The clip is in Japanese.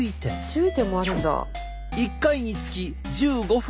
注意点もあるんだ。